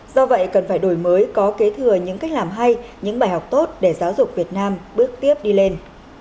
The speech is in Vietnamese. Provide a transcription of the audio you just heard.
do vậy cần phải đổi mới có kế thừa những cách làm hay những bài học tốt để giáo dục việt nam bước tiếp đi lên